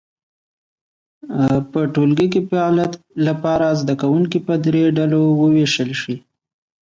په ټولګي کې فعالیت لپاره زده کوونکي په درې ډلو وویشل شي.